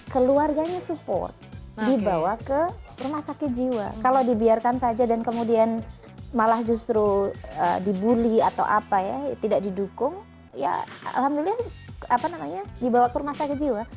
keluarganya support dibawa ke rumah sakit jiwa kalau dibiarkan saja dan kemudian malah justru dibully atau apa ya tidak didukung ya alhamdulillah dibawa ke rumah sakit jiwa